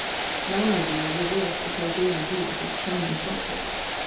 'Now, my dear, reverse, as I daily do, this charming prospect.